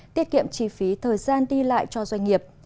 tiết kiệm chi phí thời gian đi lại cho doanh nghiệp